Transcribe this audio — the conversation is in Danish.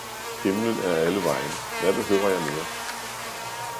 Himlen er allevegne, hvad behøver jeg mere!